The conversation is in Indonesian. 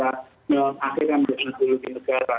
akhirnya menjadi ideologi negara